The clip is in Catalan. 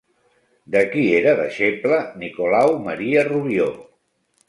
De qui era deixeble Nicolau Maria Rubió?